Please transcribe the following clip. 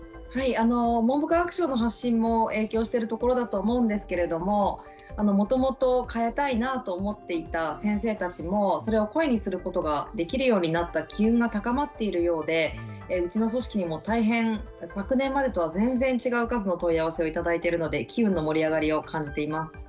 文部科学省の発信も影響してるところだと思うんですけれどももともと変えたいなあと思っていた先生たちもそれを声にすることができるようになった機運が高まっているようでうちの組織にも大変昨年までとは全然違う数の問い合わせを頂いてるので機運の盛り上がりを感じています。